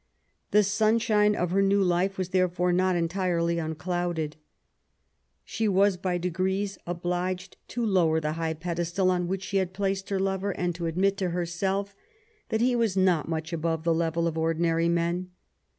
The sunshine of her new life was therefore not entirely unclouded. She was by degrees obliged to lower the high pedestal on which she had placed her lover, and to admit to herself that he was not much above the level of ordinary men.